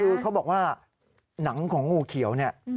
คือเขาบอกว่าหนังของงูเขียวเนี่ย